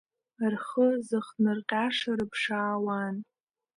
Рхы зыхҭнырҟьаша рыԥшаауан.